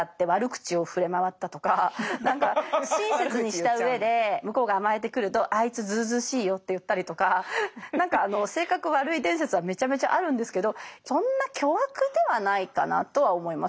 親切にした上で向こうが甘えてくると「あいつずうずうしいよ」って言ったりとか何か性格悪い伝説はめちゃめちゃあるんですけどそんな巨悪ではないかなとは思います。